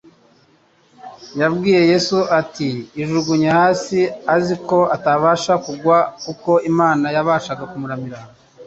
Yabwiye Yesu ati, “Ijugunye hasi,” azi ko atabasha kugwa; kuko Imana yabashaga kumuramira